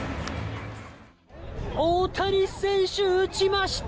大谷選手打ちました。